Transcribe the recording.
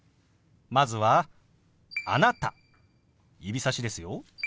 まずは「あなた」指さしですよ。